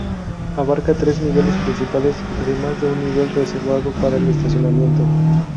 Abarca tres niveles principales, además de un nivel reservado para el estacionamiento.